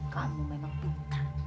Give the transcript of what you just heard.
kamu memang buntar